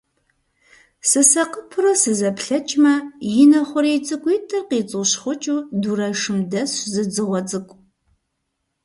Сысакъыпэурэ сызэплъэкӀмэ, и нэ хъурей цӀыкӀуитӀыр къицӀыщхъукӀыу, дурэшым дэсщ зы дзыгъуэ цӀыкӀу.